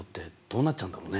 どうなっちゃうんだろう？